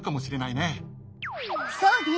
そうね！